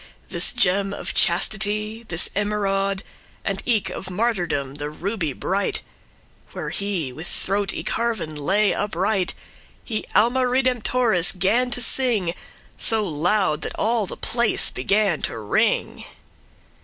This gem of chastity, this emeraud,* *emerald And eke of martyrdom the ruby bright, Where he with throat y carven* lay upright, *cut He Alma Redemptoris gan to sing So loud, that all the place began to ring.